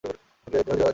দেহ দৃঢ়ভাবে চাপা।